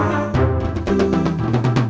terima kasih pak